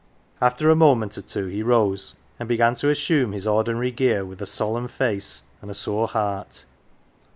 After a moment or two he rose and began to assume his ordinary gear with a solemn face and a sore heart.